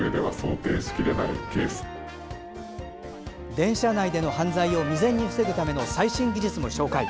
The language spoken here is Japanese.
電車内での犯罪を未然に防ぐための最新技術も紹介。